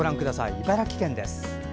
茨城県です。